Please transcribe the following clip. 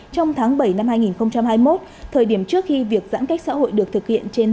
trong tháng bảy năm hai nghìn hai mươi một thời điểm trước khi việc giãn cách xã hội được thực hiện trên